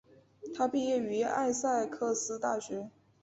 他毕业于艾塞克斯大学。